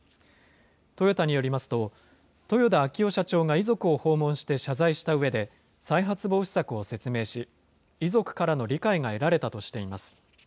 トヨタによりますと、豊田章男社長が遺族を訪問して謝罪したうえで、再発防止策を説明し、遺族からの理解が得られたとしています。